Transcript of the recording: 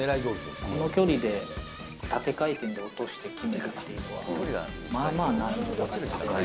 この距離で縦回転で落として決めるっていうのは、まあまあ難易度が高い。